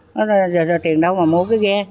nói là tiền đâu mà mua cái ghe